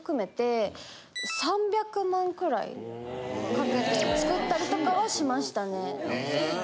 かけて作ったりとかはしましたね。